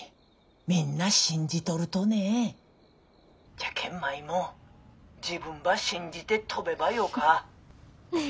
じゃけん舞も自分ば信じて飛べばよか。